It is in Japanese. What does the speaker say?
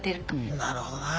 なるほどなぁ。